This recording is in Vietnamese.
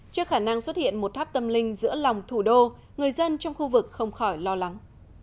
trước khả năng xuất hiện một tháp tâm linh giữa lòng thủ đô người dân trong khu vực không khỏi lo lắng